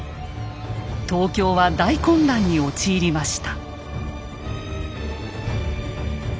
東京は大混乱に陥りました。